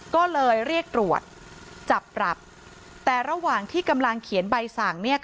ก็เลยเรียกตรวจจับปรับแต่ระหว่างที่กำลังเขียนใบสั่ง